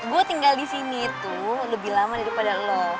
gue tinggal disini tuh lebih lama daripada lo